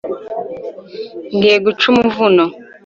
Ngiye guca umuvuno